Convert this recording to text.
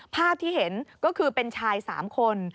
ภาพที่เห็นก็คือเป็นชาย๓คน